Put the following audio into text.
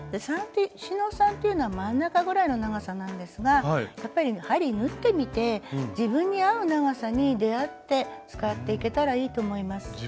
四ノ三というのは真ん中ぐらいの長さなんですがやっぱり針縫ってみて自分に合う長さに出会って使っていけたらいいと思います。